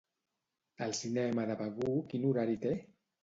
El cinema de Begur quin horari té?